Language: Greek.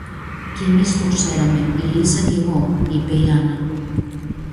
Κι εμείς το ξέραμε, η Λίζα κι εγώ, είπε η Άννα